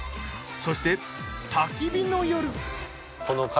そしてたき火の夜。